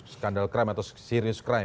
skandal krim atau serius krim